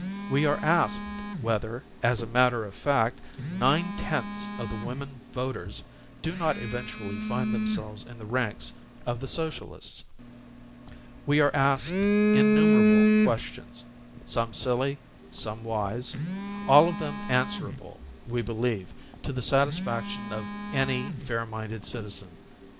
We are asked whether, as a matter of fact, nine tenths of the women voters do not eventually find themselves in the ranks of the So cialists. We are asked innumerable questions, some silly, some wise, all of them answerable, we believe, to the satisfaction of any faiiminded citizen.